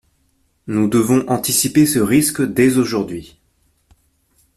Nous devons anticiper ce risque dès aujourd’hui.